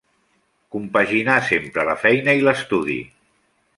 Compaginà sempre la feina i l'estudi.